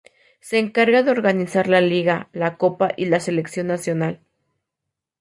Se encarga de organizar la Liga, la Copa y la selección nacional.